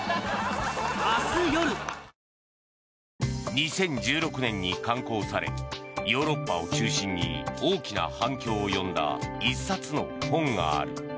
２０１６年に刊行されヨーロッパを中心に大きな反響を呼んだ１冊の本がある。